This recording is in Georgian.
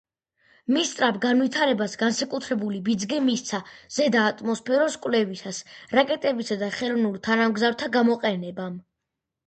მის სწრაფ განვითარებას განსაკუთრებული ბიძგი მისცა ზედა ატმოსფეროს კვლევისას რაკეტებისა და ხელოვნურ თანამგზავრთა გამოყენებამ.